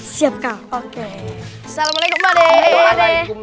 siapkan oke salam